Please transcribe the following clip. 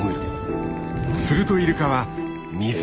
するとイルカは水を噴射。